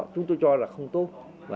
chúng tôi cho là không tốt